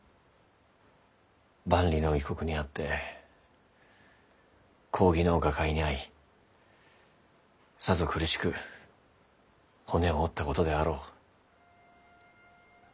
万里の異国にあって公儀の瓦解にあいさぞ苦しく骨を折ったことであろう。